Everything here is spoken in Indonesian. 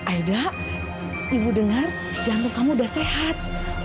aida ibu dengar jamu kamu udah sehat